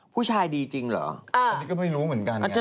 ผู้ชายดีจริงเหรอเอ่ออก็ไม่รู้เหมือนกัน